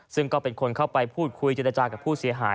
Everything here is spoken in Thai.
ซึ่งก็เป็นคนเข้าไปพูดคุยเจรจากับผู้เสียหาย